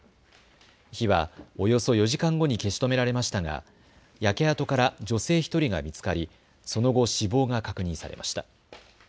火はおよそ４時間後に消し止められましたが焼け跡から女性１人が見つかりその後、死亡が確認されました。